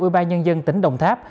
ủy ban nhân dân tỉnh đồng tháp